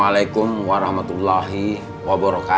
waalaikumsalam warahmatullahi wabarakatuh